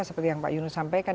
seperti yang pak yunus sampaikan